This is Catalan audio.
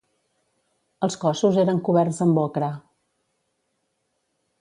Els cossos eren coberts amb ocre.